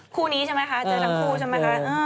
คู่นี้ใช่ไหมคะเจอทั้งคู่ใช่ไหมคะ